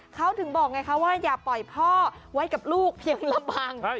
เขาถึงบอกไงคะว่าอย่าปล่อยพ่อไว้กับลูกเพียงลำพัง